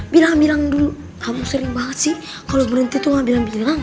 bilang bilang dulu kamu sering banget sih kalau berhenti tuh ngak bilang bilang